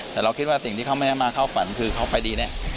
แต่เราคิดว่าสิ่งที่เขาไม่ได้มาเข้าฝันคือเขาไปดีแน่